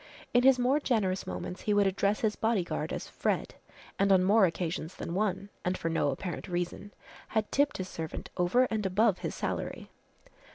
In his more generous moments he would address his bodyguard as "Fred," and on more occasions than one, and for no apparent reason, had tipped his servant over and above his salary.